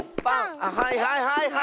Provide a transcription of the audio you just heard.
あっはいはいはいはい！